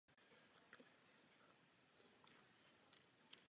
V této budově bylo gymnázium jen jeden rok.